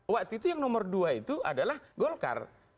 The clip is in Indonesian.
waktu itu yang nomor dua itu adalah golkar